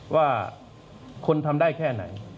ว่าคนทำได้แค่ไหน